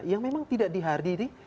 yang memang tidak dihadiri